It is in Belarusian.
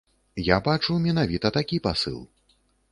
Я бачу менавіта такі пасыл.